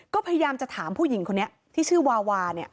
ก็พยายามจะถามผู้หญิงคนนี้ที่ชื่อวาวาเนี่ย